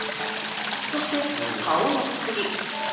そして顔のつくり。